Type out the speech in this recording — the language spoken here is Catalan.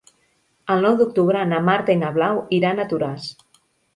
El nou d'octubre na Marta i na Blau iran a Toràs.